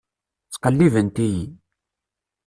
Ttqellibent-iyi.